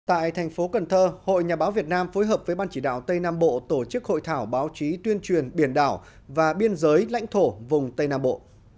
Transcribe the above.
tại thành phố cần thơ hội nhà báo việt nam phối hợp với ban chỉ đạo tây nam bộ tổ chức hội thảo báo chí tuyên truyền biển đảo và biên giới lãnh thổ vùng tây nam bộ